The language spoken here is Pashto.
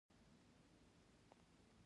ما نېغ ورته نسو کتلى.